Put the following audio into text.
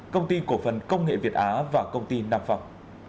công ty cổ phần công nghệ việt á và công ty nam phòng